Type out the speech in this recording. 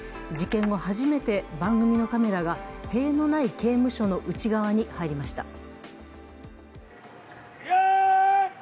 事件後、初めて番組のカメラが塀のない刑務所の内側に入りました。